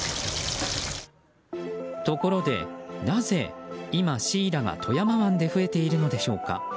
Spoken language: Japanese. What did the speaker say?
ところで、なぜ今シイラが富山湾で増えているのでしょうか。